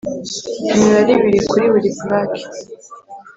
Imibare ibiri kuri buri purake